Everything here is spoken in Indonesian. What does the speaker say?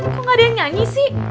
kok gak ada yang nyanyi sih